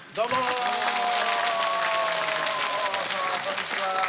こんにちは。